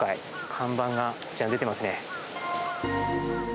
看板がこちら出てます。